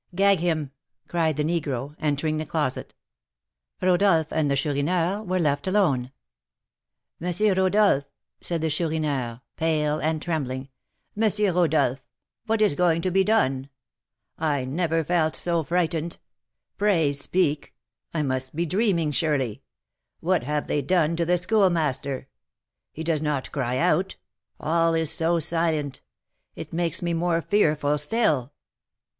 "Gag him!" cried the negro, entering the closet. Rodolph and the Chourineur were left alone. "M. Rodolph," said the Chourineur, pale and trembling, "M. Rodolph, what is going to be done? I never felt so frightened. Pray speak; I must be dreaming, surely. What have they done to the Schoolmaster? He does not cry out, all is so silent; it makes me more fearful still!"